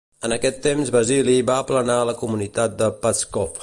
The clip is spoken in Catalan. En aquest temps Basili va aplanar a la comunitat de Pskov.